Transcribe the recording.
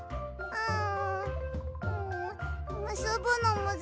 うん！